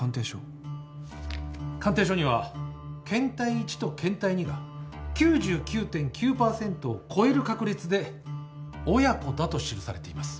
鑑定書には検体１と検体２が９９．９％を超える確率で親子だと記されています。